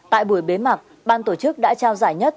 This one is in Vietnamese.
tại buổi bế mạc ban tổ chức đã trao giải nhất